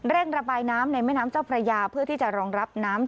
ระบายน้ำในแม่น้ำเจ้าพระยาเพื่อที่จะรองรับน้ำ